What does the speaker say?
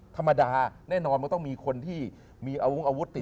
ธรรมดาแน่นอนมันต้องมีคนที่มีอาวงอาวุธติด